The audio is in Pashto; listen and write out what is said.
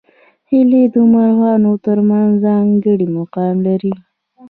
هیلۍ د مرغانو تر منځ ځانګړی مقام لري